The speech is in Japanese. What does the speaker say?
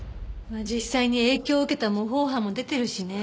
実際に影響を受けた模倣犯も出てるしね。